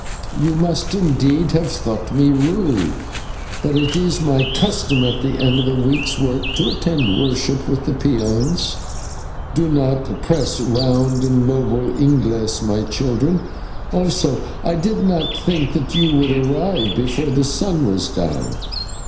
"You must indeed have thought me rude, but it is my custom at the end of the week's work to attend worship with the peons do not press round the noble /Inglese/, my children also I did not think that you would arrive before the sun was down."